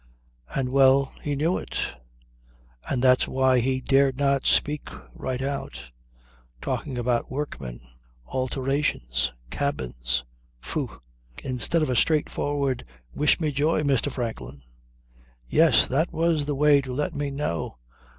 And well he knew it; and that's why he dared not speak right out. Talking about workmen, alterations, cabins ... Phoo! ... instead of a straightforward 'Wish me joy, Mr. Franklin!' Yes, that was the way to let me know.